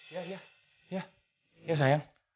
ya ya ya sayang